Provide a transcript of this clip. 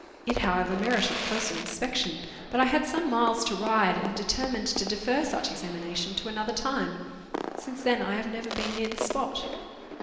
It however merited closer inspection, but I had some miles to ride, and determined to defer such examination to another time. Since then I have never been near the spot.